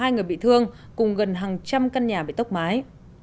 một trăm một mươi hai người bị thương cùng gần hàng trăm căn nhà bị tốc mái